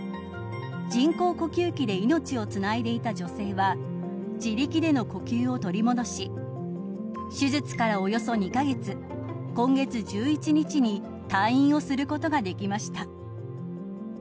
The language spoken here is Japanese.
人工呼吸器で命をつないでいた女性は自力での呼吸を取り戻し手術からおよそ２カ月今月１１日に退院をすることができました。